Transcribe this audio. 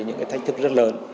những cái thách thức rất lớn